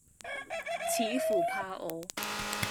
似乎怕我，